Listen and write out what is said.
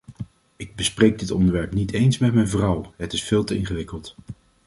Ik bespreek dit onderwerp niet eens met mijn vrouw, het is veel te ingewikkeld.